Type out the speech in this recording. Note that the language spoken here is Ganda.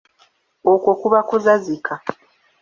Okwo kuba kuzazika.